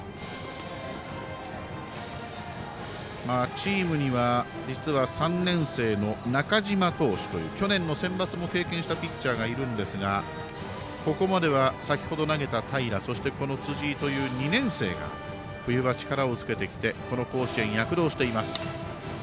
チームには実は３年生の中嶋投手という去年のセンバツも経験したピッチャーがいるんですがここまでは先ほど投げた平そして、辻井という２年生が冬場、力をつけてきてこの甲子園躍動しています。